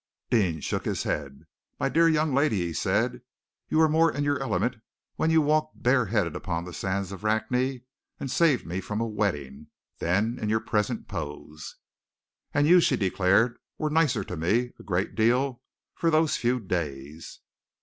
Deane shook his head. "My dear young lady," he said, "you were more in your element when you walked bareheaded upon the sands of Rakney, and saved me from a wetting, than in your present pose." "And you," she declared, "were nicer to me, a great deal, for those few days."